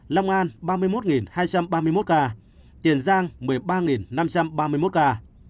long an ba mươi một hai trăm ba mươi một ca tiền giang một mươi ba năm trăm ba mươi một ca